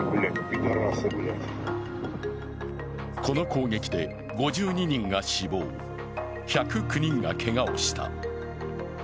この攻撃で５２人が死亡１０９人がけがをした。